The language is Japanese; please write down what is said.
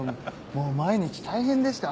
もう毎日大変でして。